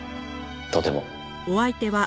とても。